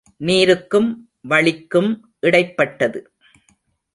நீருக்கும் வளிக்கும் இடைப்பட்டது.